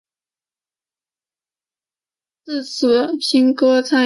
自此中圻钦使一职被废除。